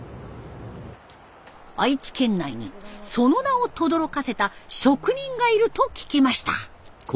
愛知県内にその名をとどろかせた職人がいると聞きました。